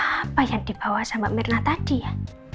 apa yang dibawa sama mirna tadi ya